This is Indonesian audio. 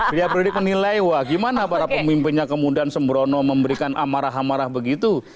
biar publik menilai wah bagaimana para pemimpinnya kemudian sembrono memberikan amarah amarah begitu